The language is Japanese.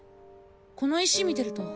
この石見てると